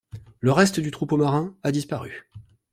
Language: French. Le reste du troupeau marin a disparu.